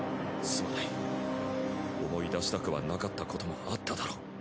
すまない思い出したくはなかったこともあっただろう。